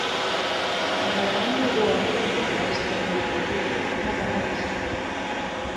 Agardando o apoio a esta iniciativa, nada máis.